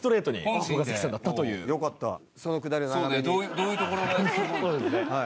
どういうところがすごい？